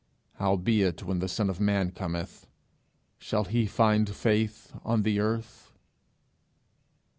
Howbeit when the Son of Man cometh, shall he find faith on the earth?'